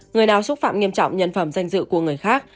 người nào xúc phạm nghiêm trọng nhân phẩm danh dự của người khác